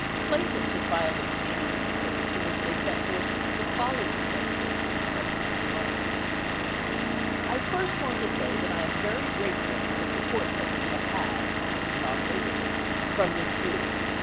Plaintiffs have filed a pleading in the case in which they set forth the following transcription of the President's remarks : 91 I first want to say that I am very grateful for the support that we have had [inaudible word] from this group.